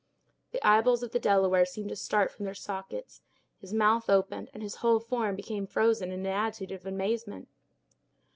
The eyeballs of the Delaware seemed to start from their sockets; his mouth opened and his whole form became frozen in an attitude of amazement.